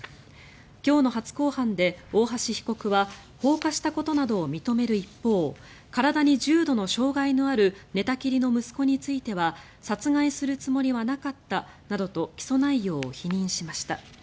今日の初公判で大橋被告は放火したことなどを認める一方体に重度の障害のある寝たきりの息子については殺害するつもりはなかったなどと起訴内容を否認しました。